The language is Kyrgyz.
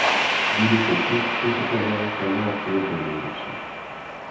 Бийликте ким турса дагы, шайлоо аркылуу келгени жакшы.